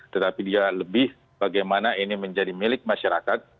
tetapi dia lebih bagaimana ini menjadi milik masyarakat